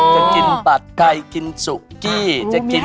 จะกินปัสไก่กินซูกี้